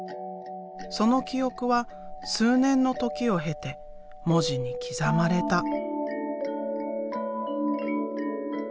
その記憶は数年の時を経て文字に刻まれた。